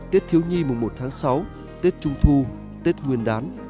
tết thiếu nhi mùng một tháng sáu tết trung thu tết nguyên đán